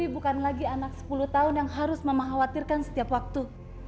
bukan lagi anak sepuluh tahun yang harus mengkhawatirkan setiap waktu